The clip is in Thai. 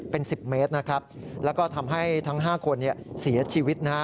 เป็น๑๐เมตรแล้วก็ทำให้ทั้ง๕คนเสียชีวิต